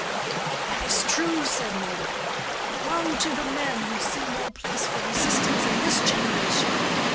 "That is a truth," said Mordecai. "Woe to the men who see no place for resistance in this generation!